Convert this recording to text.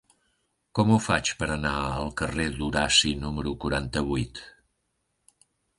Com ho faig per anar al carrer d'Horaci número quaranta-vuit?